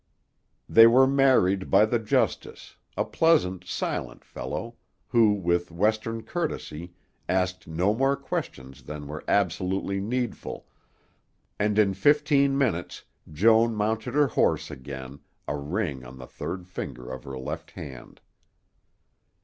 They were married by the justice, a pleasant, silent fellow, who with Western courtesy, asked no more questions than were absolutely needful, and in fifteen minutes Joan mounted her horse again, a ring on the third finger of her left hand.